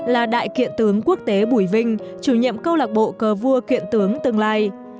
là đại kiện tướng quốc tế bùi vinh chủ nhiệm câu lạc bộ cờ vua kiện tướng tương lai